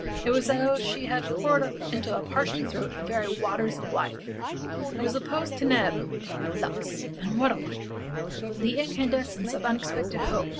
It was as though she had poured into a parching throat the very waters of life. It was the post tenebras, lux. And what a light! The incandescence of unexpected hope.